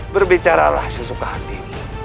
berbicara lah sesuka hatimu